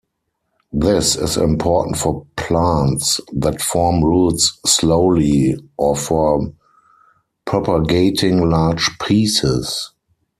This is important for plants that form roots slowly, or for propagating large pieces.